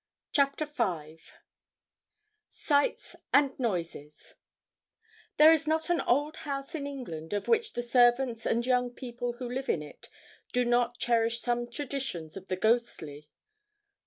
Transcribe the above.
CHAPTER V SIGHTS AND NOISES There is not an old house in England of which the servants and young people who live in it do not cherish some traditions of the ghostly.